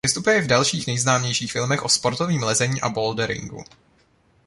Vystupuje i v dalších nejznámějších filmech o sportovním lezení a boulderingu.